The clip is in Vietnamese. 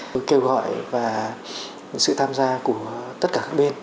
chúng tôi kêu gọi sự tham gia của tất cả các bên